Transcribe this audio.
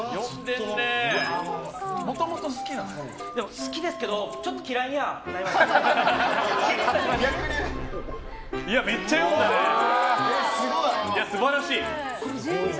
好きですけどちょっと嫌いにはなりました。